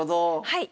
はい。